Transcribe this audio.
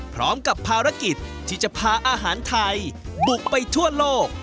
พร้อมกับภารกิจที่จะพาอาหารไทยบุกไปทั่วโลก